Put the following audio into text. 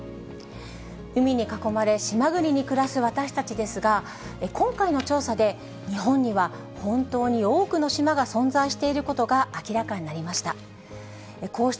海に囲まれ、島国に暮らす私たちですが、今回の調査で、日本には本当に多くの島が存在していることが明らかになりました。